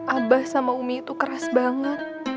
abah sama umi itu keras banget